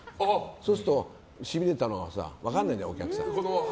そうすると、しびれたのが分からないじゃない、お客さん。